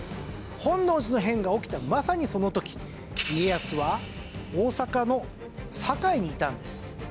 本能寺の変が起きたまさにその時家康は大坂の堺にいたんです。